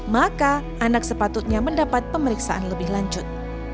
maka anak sepatutnya mendapat pemeriksaan lebih lanjut